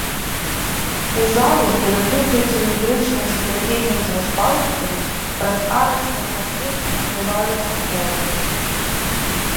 У залу, перакрытую цыліндрычным скляпеннем з распалубкамі, праз арачны прасвет адкрываюцца хоры.